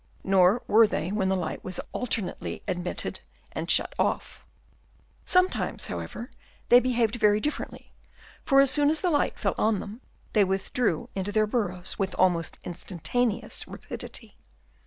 Nor were they when the light was alternately admitted and shut off. Some times, however, they behaved very differ ently, for as soon as the light fell on them, they withdrew into their burrows with almost instantaneous rapidity.